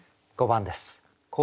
５番です。